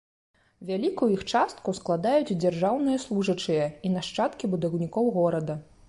Вялікую іх частку складаюць дзяржаўныя служачыя і нашчадкі будаўнікоў горада.